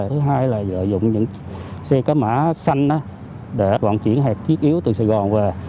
thứ hai là lợi dụng những xe cấp mã xanh để vận chuyển hẹp thiết yếu từ sài gòn về